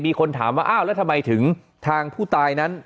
มีคนถามว่าอ้าวแล้วทำไมถึงทางผู้ตายนั้น